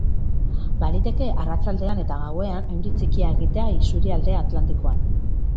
Baliteke arratsaldean eta gauean euri txikia egitea isurialde atlantikoan.